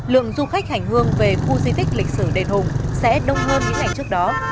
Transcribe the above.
lượng du khách hành hương về khu di tích lịch sử đền hùng sẽ đông hơn những ngày trước đó